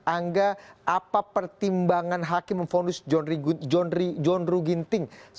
angga apa pertimbangan hakim memfonis john ruh ginting